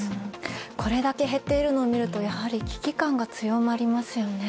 これだけ減っているのを見るとやはり危機感が強まりますよね。